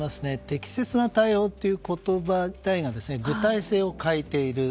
適切な対応という言葉自体が具体性を欠いている。